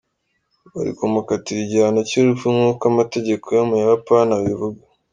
bari kumukatira igihano cyurupfu nkuko amategeko yo mu Buyapani abivuga.